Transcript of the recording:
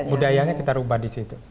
budayanya kita rubah disitu